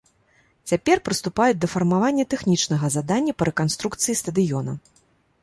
Цяпер прыступаюць да фармавання тэхнічнага задання па рэканструкцыі стадыёна.